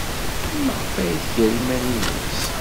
Maɣef ay tger iman-nnes?